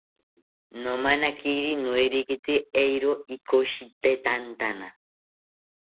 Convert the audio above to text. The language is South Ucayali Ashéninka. Nomanakiri noerekite eero ikoshitetantana